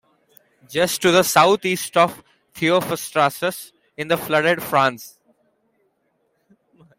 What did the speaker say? Just to the southeast of Theophrastus is the flooded Franz.